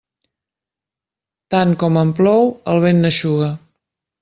Tant com en plou, el vent n'eixuga.